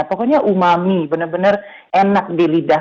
pokoknya umami benar benar enak di lidah